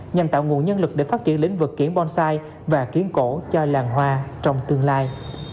nhằm tạo nguồn nhân lực để phát triển lĩnh vực kiển bonsai và kiến cổ cho làng hoa trong tương lai